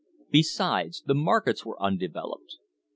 Besides, the markets were undeveloped.